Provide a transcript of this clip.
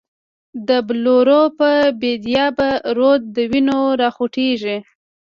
دبلورو په بیدیا به، رود دوینو راخوټیږی